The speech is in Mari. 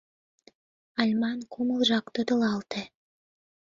Альман кумылжак тодылалте.